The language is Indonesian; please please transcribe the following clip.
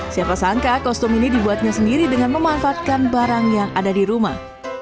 siapa sangka kostum ini dibuatnya sendiri dengan memanfaatkan barang yang ada di rumah